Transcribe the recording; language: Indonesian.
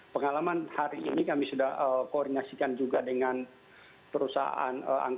pengalaman hari ini kami sudah koordinasikan juga dengan perusahaan